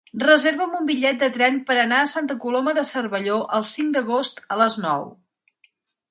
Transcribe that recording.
Reserva'm un bitllet de tren per anar a Santa Coloma de Cervelló el cinc d'agost a les nou.